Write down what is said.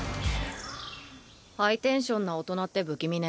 ハイテンションな大人って不気味ね。